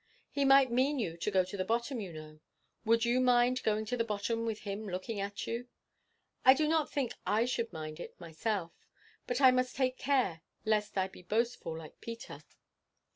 He might mean you to go to the bottom, you know. Would you mind going to the bottom with him looking at you? I do not think I should mind it myself. But I must take care lest I be boastful like Peter.